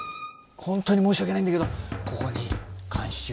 本当に申し訳ないんだけどここに監視用。